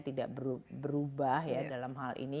tidak berubah ya dalam hal ini